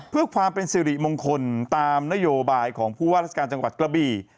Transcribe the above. เพื่อความเป็นสิริมงคลตามนโยบายของผู้ว่าราชการจังหวัดกระบี่